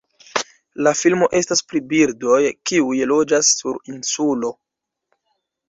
La filmo estas pri birdoj, kiuj loĝas sur insulo.